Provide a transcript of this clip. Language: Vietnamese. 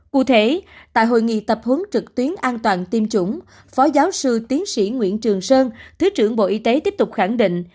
cụ thể tại hội nghị tập hướng trực tuyến an toàn tiêm chủng phó giáo sư tiến sĩ nguyễn trường sơn thứ trưởng bộ y tế tiếp tục khẳng định